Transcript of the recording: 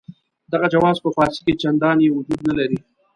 دغه جواز په فارسي کې چنداني وجود نه لري.